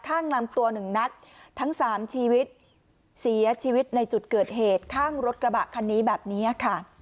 ข้างลำตัวหนึ่งนัดทั้งสามชีวิตเสียชีวิตในจุดเกิดเหตุข้างรถกระบะคันนี้แบบนี้ค่ะ